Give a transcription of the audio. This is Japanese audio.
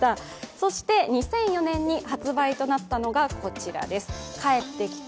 そして２００４年に発売となったのがこちらです。